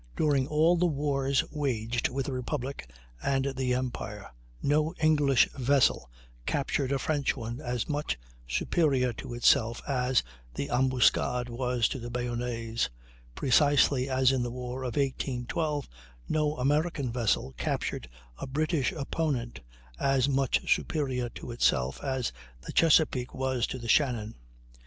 During all the wars waged with the Republic and the Empire, no English vessel captured a French one as much superior to itself as the Ambuscade was to the Bayonnaise, precisely as in the war of 1812 no American vessel captured a British opponent as much superior to itself as the Chesapeake was to the Shannon.